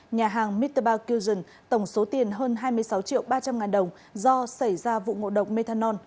nhà hàng mitterba kuzion tổng số tiền hơn hai mươi sáu triệu ba trăm linh ngàn đồng do xảy ra vụ ngộ độc methanol